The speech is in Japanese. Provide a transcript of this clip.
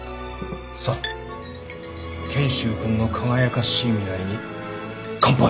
さっ賢秀君の輝かしい未来に乾杯！